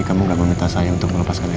kamu kan gak minta saya untuk melepaskan elsa